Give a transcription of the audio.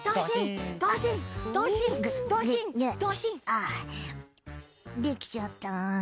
あっできちゃった。